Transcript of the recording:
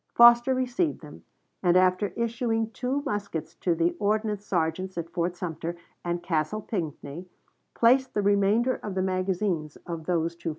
Foster received them, and after issuing two muskets to the ordnance sergeants at Fort Sumter and Castle Pinckney, placed the remainder in the magazines of those two forts.